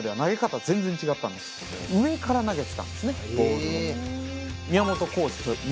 上から投げてたんですねボールを。